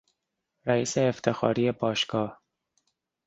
رئیس افتخاری باشگاه